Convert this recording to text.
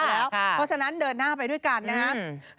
เพราะฉะนั้นเดินหน้าไปด้วยกันนะครับ